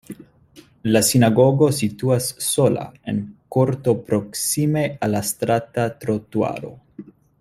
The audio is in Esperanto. La sinagogo situas sola en korto proksime al la strata trotuaro.